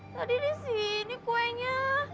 tadi disini kuenya